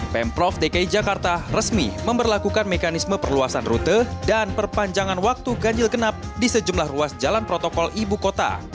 pemprov dki jakarta resmi memperlakukan mekanisme perluasan rute dan perpanjangan waktu ganjil genap di sejumlah ruas jalan protokol ibu kota